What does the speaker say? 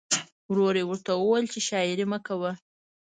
ورور یې ورته وویل چې شاعري مه کوه